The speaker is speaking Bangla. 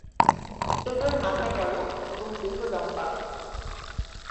এদের মাথা বড় এবং দেহ লম্বা।